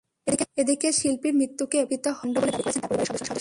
এদিকে শিল্পীর মৃত্যুকে পরিকল্পিত হত্যাকাণ্ড বলে দাবি করেছেন তাঁর পরিবারের সদস্যরা।